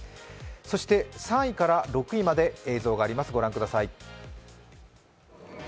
そして３位から６位まで映像がありますご覧ください。